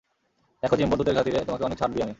দ্যাখো জিম, বন্ধুত্বের খাতিরে তোমাকে অনেক ছাড় দিই আমি।